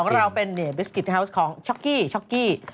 ของเราเป็นบิสกิทของช็อกกี้